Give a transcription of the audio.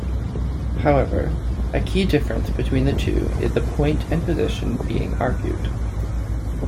However, a key difference between the two is the point and position being argued.